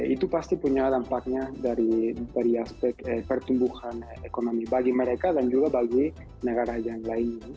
itu pasti punya dampaknya dari aspek pertumbuhan ekonomi bagi mereka dan juga bagi negara yang lainnya